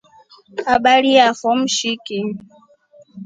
Habari yafo mshiki.